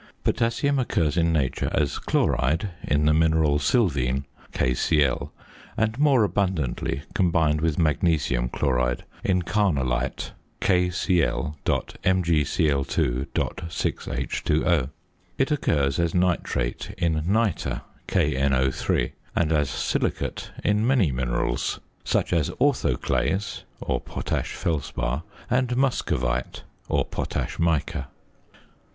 Potassium occurs in nature as chloride, in the mineral sylvine (KCl), and more abundantly combined with magnesium chloride, in earnallite (KCl.MgCl_.6H_O). It occurs as nitrate in nitre (KNO_), and as silicate in many minerals, such as orthoclase (or potash felspar) and muscovite (or potash mica).